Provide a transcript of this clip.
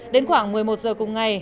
đến khoảng một mươi một giờ cùng ngày